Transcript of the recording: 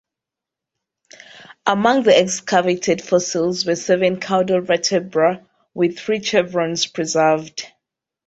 Among the excavated fossils were seven caudal vertebrae with three chevrons preserved.